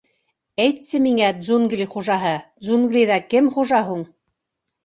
Әйтсе миңә, джунгли хужаһы, джунглиҙа кем хужа һуң?